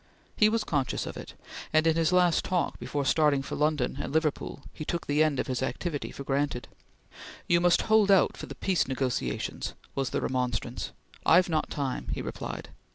He was conscious of it, and in his last talk before starting for London and Liverpool he took the end of his activity for granted. "You must hold out for the peace negotiations," was the remonstrance. "I've not time!" he replied.